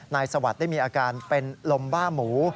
สวัสดิ์ได้มีอาการเป็นลมบ้าหมู